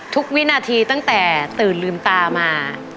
ทุกวินาทีแต่ตื่นลืมตามา